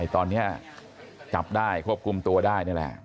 ตอนนี้จับได้ควบคุมตัวได้